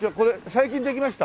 最近できました？